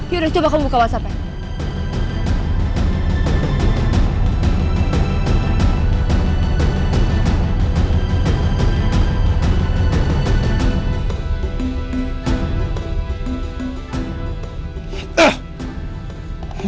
yuk coba kamu buka whatsappnya